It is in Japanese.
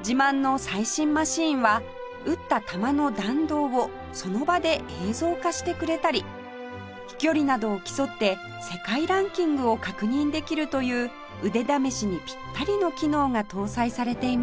自慢の最新マシンは打った球の弾道をその場で映像化してくれたり飛距離などを競って世界ランキングを確認できるという腕試しにピッタリの機能が搭載されています